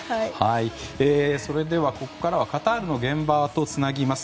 それではここからはカタールの現場とつなぎます。